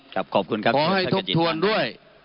ขอให้ทบทวนด้วย